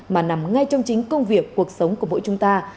mà nằm ngay trong chính công việc cuộc sống của mỗi chúng ta